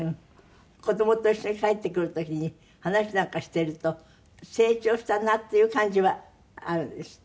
子供と一緒に帰ってくる時に話なんかしていると成長したなっていう感じはあるんですって？